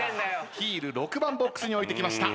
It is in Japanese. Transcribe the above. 「Ｈｅｅｌ」６番ボックスに置いてきました。